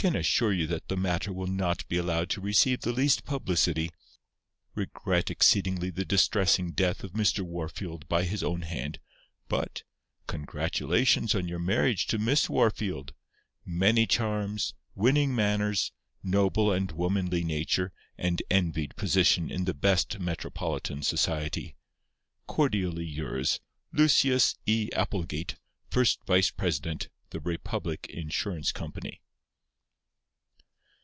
… Can assure you that the matter will not be allowed to receive the least publicity. … Regret exceedingly the distressing death of Mr. Wahrfield by his own hand, but… Congratulations on your marriage to Miss Wahrfield … many charms, winning manners, noble and womanly nature and envied position in the best metropolitan society… Cordially yours, Lucius E. Applegate, First Vice President the Republic Insurance Company.